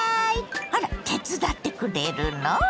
あら手伝ってくれるの⁉